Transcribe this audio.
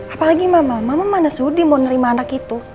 apalagi mama mama mana sudi mau nerima anak itu